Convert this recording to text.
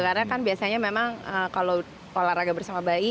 karena kan biasanya memang kalau olahraga bersama bayi